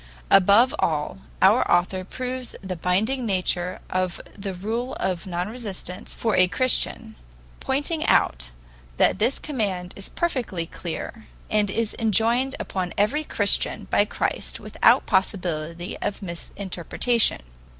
Above all, our author proves the binding nature of the rule of non resistance for a Christian, pointing out that this command is perfectly clear, and is enjoined upon every Christian by Christ without possibility of misinterpretation.